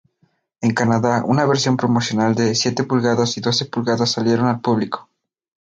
En Canadá, una versión promocional de siete pulgadas y doce pulgadas salieron al público.